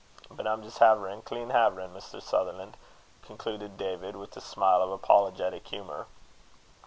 But I'm jist haverin', clean haverin', Mr. Sutherlan'," concluded David, with a smile of apologetic humour.